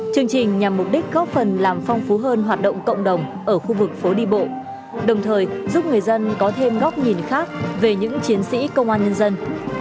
chương trình nhằm mục đích góp phần làm phong phú hơn hoạt động cộng đồng ở khu vực phố đi bộ đồng thời giúp người dân có thêm góc nhìn khác về những chiến sĩ công an nhân dân